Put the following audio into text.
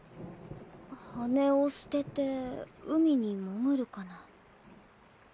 羽を捨てて海に潜るかな？